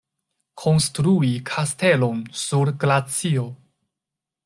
Konstrui kastelon sur glacio.